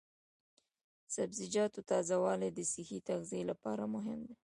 د سبزیجاتو تازه والي د صحي تغذیې لپاره مهمه ده.